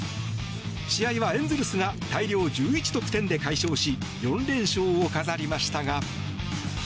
試合はエンゼルスが大量１１得点で快勝し４連勝を飾りましたが。